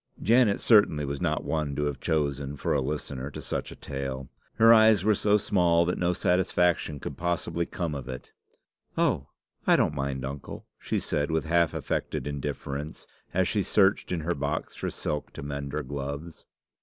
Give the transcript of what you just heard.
Janet certainly was not one to have chosen for a listener to such a tale. Her eyes were so small that no satisfaction could possibly come of it. "Oh! I don't mind, uncle," she said, with half affected indifference, as she searched in her box for silk to mend her gloves.